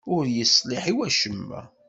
Ur yeṣliḥ i wacemma.